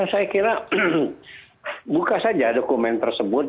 saya kira buka saja dokumen tersebut